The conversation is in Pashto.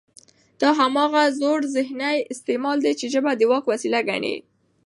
دا هماغه زوړ ذهني استعمار دی، چې ژبه د واک وسیله ګڼي